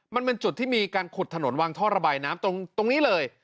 มันเป็นจุดที่มีการขุดถนนวางท่อระบายน้ำตรงนี้เลย